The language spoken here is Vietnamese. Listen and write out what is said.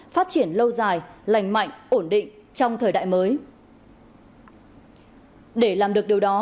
phát triển lâu dài lành mạnh ổn định trong thời đại mới